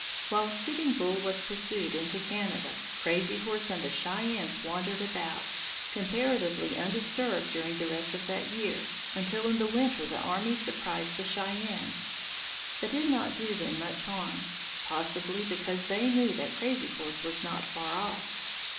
While Sitting Bull was pursued into Canada, Crazy Horse and the Cheyennes wandered about, comparatively undisturbed, during the rest of that year, until in the winter the army surprised the Cheyennes, but did not do them much harm, possibly because they knew that Crazy Horse was not far off.